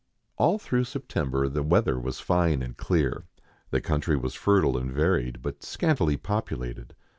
All through September the weather was fine and clear. The country was fertile and varied, but scantily populated.